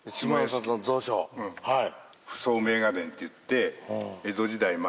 はい。